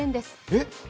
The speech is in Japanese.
えっ？